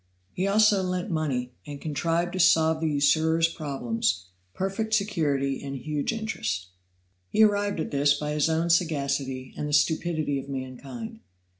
He also lent money, and contrived to solve the usurers' problem perfect security and huge interest. He arrived at this by his own sagacity and the stupidity of mankind.